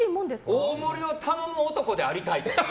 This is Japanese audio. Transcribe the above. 大盛りを頼む男でありたい。